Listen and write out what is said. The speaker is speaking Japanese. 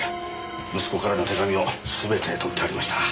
息子からの手紙を全て取ってありました。